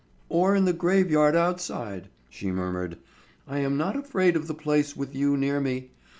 "Or in the graveyard outside," she murmured. "I am not afraid of the place with you near me.